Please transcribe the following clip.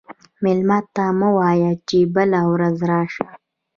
مېلمه ته مه وایه چې بله ورځ راشه.